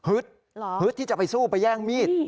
ฮึดที่จะไปสู้ไปแย่งมีด